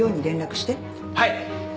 はい。